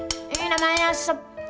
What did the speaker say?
ini namanya sep